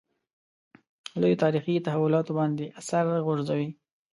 لویو تاریخي تحولاتو باندې اثر غورځوي.